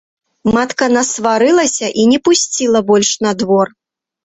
Матка насварылася і не пусціла больш на двор.